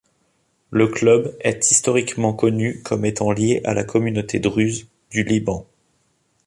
Le club est historiquement connu comme étant lié à la communauté druze du Liban.